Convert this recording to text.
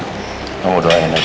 kamu udah enak lagi papa